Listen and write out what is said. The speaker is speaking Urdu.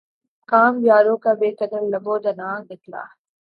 کام یاروں کا بہ قدرٕ لب و دنداں نکلا